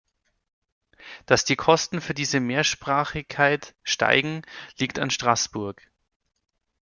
Dass die Kosten für diese Mehrsprachigkeit steigen, liegt an Straßburg.